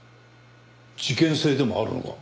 事件性でもあるのか？